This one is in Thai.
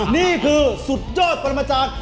นี่คือสุดโจทย์ปรมาจักร